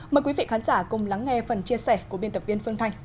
mời quý vị khán giả cùng lắng nghe phần chia sẻ của biên tập viên phương thanh